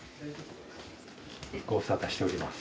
ご無沙汰しております。